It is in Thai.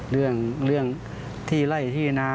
เรื่องที่ไล่ที่นา